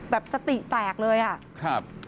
แบบสติแตกเลยอ่ะ